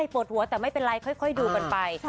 ปวดหัวแต่ไม่เป็นไรค่อยดูกันไป